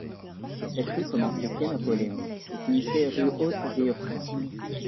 Cette rue commençait quai Napoléon et finissait rue Haute-des-Ursins.